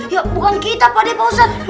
ya bukan kita pakde pak ustadz